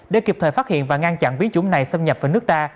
để kịp thời phát hiện và ngăn chặn biến chủng này xâm nhập vào nước ta